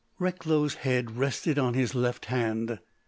Recklow's head rested on his left hand.